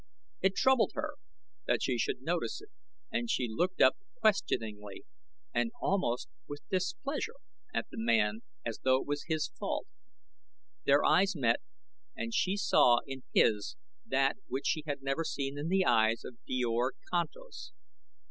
It troubled her that she should notice it, and she looked up questioningly and almost with displeasure at the man as though it was his fault. Their eyes met and she saw in his that which she had never seen in the eyes of Djor Kantos.